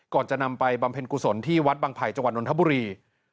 ก่อนจะนำไปบำเพ็ญกุศลที่วัดบางไผ่จังหวัดนทบุรี